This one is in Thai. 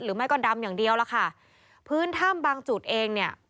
หรือไม่ก็ดำอย่างเดียวล่ะค่ะพื้นถ้ำบางจุดเองเนี่ย